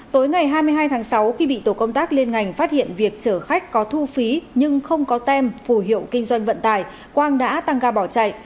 tối ngày hai mươi hai tháng sáu khi bị tổ công tác liên ngành phát hiện việc chở khách có thu phí nhưng không có tem phù hiệu kinh doanh vận tải quang đã tăng ga bỏ chạy